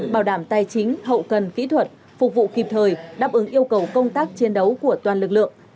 bảo đảm tài chính hậu cần kỹ thuật phục vụ kịp thời đáp ứng yêu cầu công tác chiến đấu của toàn lực lượng